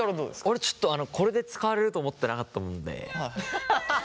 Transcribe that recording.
俺ちょっとこれで使われると思ってなかったもんで。